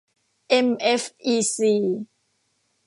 เอ็ม เอฟ อี ซี